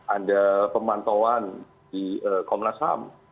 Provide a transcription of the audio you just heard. ada pemantauan di komnas ham